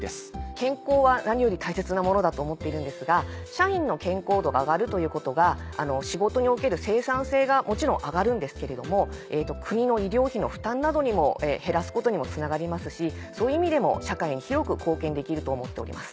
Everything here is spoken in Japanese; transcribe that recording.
健康は何より大切なものだと思っているんですが社員の健康度が上がるということが仕事における生産性がもちろん上がるんですけれども国の医療費の負担などにも減らすことにつながりますしそういう意味でも社会に広く貢献できると思っております。